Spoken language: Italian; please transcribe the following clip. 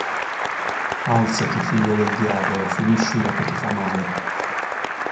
Alzati, figlia del diavolo, finiscila, che ti fa male!